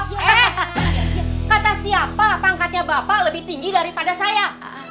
kata siapa pangkatnya bapak lebih tinggi daripada saya